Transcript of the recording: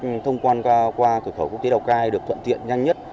các thông quan qua cửa khẩu quốc tế lào cai được thuận tiện nhanh nhất